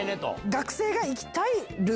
学生が行きたいるー